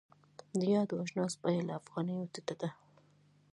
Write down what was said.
د یادو اجناسو بیه له افغانیو ټیټه وي.